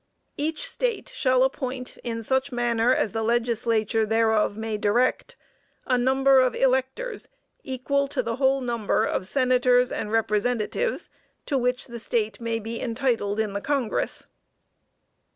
"Each State shall appoint in such manner as the legislature thereof may direct, a number of electors equal to the whole number of senators and representatives to which the State may be entitled in the Congress."